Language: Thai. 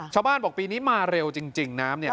ชาวบ้านบอกปีนี้มาเร็วจริงน้ำเนี่ย